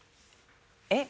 えっ？